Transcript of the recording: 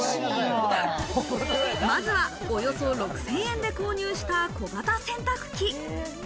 まずは、およそ６０００円で購入した小型洗濯機。